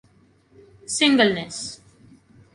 singleness